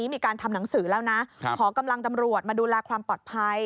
มีการทำหนังสือแล้วนะขอกำลังตำรวจมาดูแลความปลอดภัย